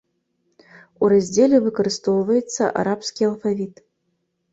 У раздзеле выкарыстоўваецца арабскі алфавіт.